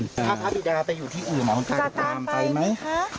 ถ้าพระบิดาไปอยู่ที่อื่นคุณตาจะตามไปไหม